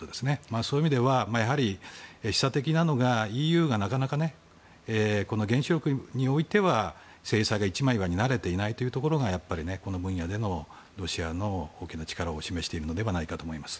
そういう意味では示唆的なのがＥＵがなかなか原子力においては制裁が一枚岩になれていないところがこの分野でのシェアの大きな力を示しているのではないかと思います。